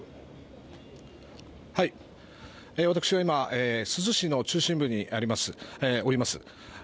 私は今珠洲市の中心部におります。